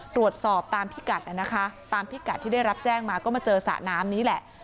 ตรวจสอบตามพิกัดนะคะตามพิกัดที่ได้รับแจ้งมาก็มาเจอสระน้ำนี้แหละ